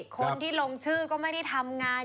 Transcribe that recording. คนที่ลงชื่อก็ไม่ได้ทำงาน